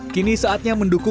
kini saatnya mendukung asean